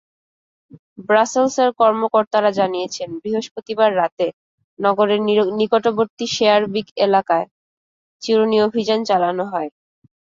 ব্রাসেলসের কর্মকর্তারা জানিয়েছেন, বৃহস্পতিবার রাতে নগরের নিকটবর্তী শেয়ারবিক এলাকায় চিরুনি অভিযান চালানো হয়।